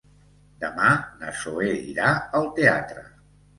Demà na Zoè irà al teatre.